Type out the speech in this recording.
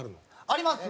あります